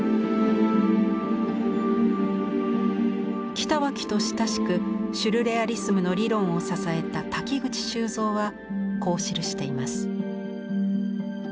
北脇と親しくシュルレアリスムの理論を支えた瀧口修造はこう記しています。